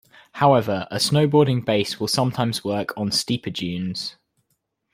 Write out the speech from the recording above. However, a snowboarding base will sometimes work on steeper dunes.